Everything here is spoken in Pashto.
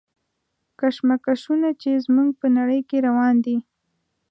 کشمکشونه چې زموږ په نړۍ کې روان دي.